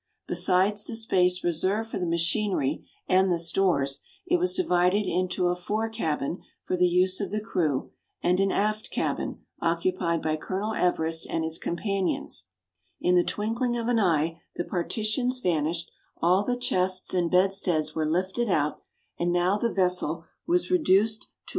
Besides the space reserved for the machinery and the stores, it was divided into a fore cabin for the use of the crew, and an aft cabin, occupied by Colonel Everest and his companions. In the twinkling of an eye the partitions vanished, all the chests and bedsteads were lifted out, and now the vessel was reduced to a mere All these Objects were deposited on the Beach.